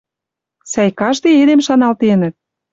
Сӓй, каждый эдем шаналтенӹт